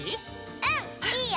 うんいいよ。